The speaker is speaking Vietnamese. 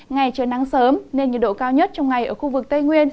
ngày trời nắng sớm nên nhiệt độ cao nhất trong ngày ở khu vực tây nguyên